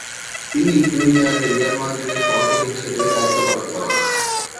তিনি দুই মেয়াদে রিয়াল মাদ্রিদের সভাপতি হিসেবে দায়িত্ব পালন করেন।